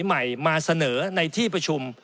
ใหม่มาเสนอในที่ประชุม